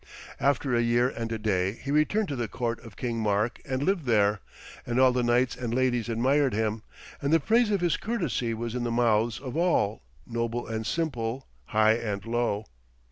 After a year and a day he returned to the court of King Mark and lived there, and all the knights and ladies admired him, and the praise of his courtesy was in the mouths of all, noble and simple, high and low.